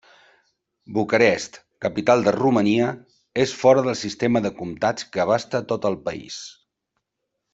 Bucarest, capital de Romania, és fora del sistema de comtats que abasta tot el país.